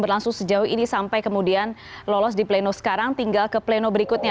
berlangsung sejauh ini sampai kemudian lolos di pleno sekarang tinggal ke pleno berikutnya